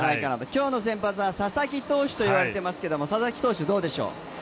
今日の先発は佐々木投手と言われていますけど佐々木投手どうでしょう？